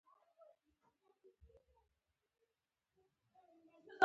آیا بهرني محصلین اقتصاد ته ګټه نه رسوي؟